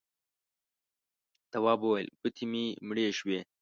تواب وويل: گوتې مې مړې شوې.